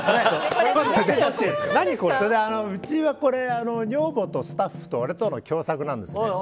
あれは女房とスタッフと俺との共作なんですね。